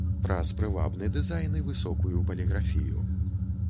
Праз прывабны дызайн і высокую паліграфію.